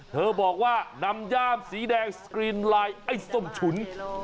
เธอบอกว่านำย่ามสีแดงสกรีนไลน์ไอ้ส้มฉุน